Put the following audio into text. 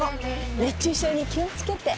熱中症に気をつけて